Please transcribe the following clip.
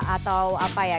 atau apa ya